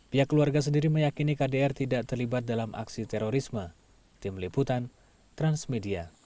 pihak keluarga sendiri meyakini kdr tidak terlibat dalam aksi terorisme